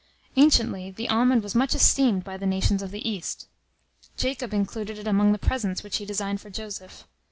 Anciently, the almond was much esteemed by the nations of the East. Jacob included it among the presents which he designed for Joseph.